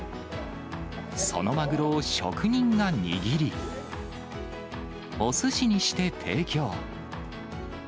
そのマグロを職人が握り、おすしにして提供。